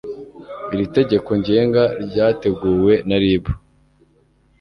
iri tegeko ngenga ryateguwe na rib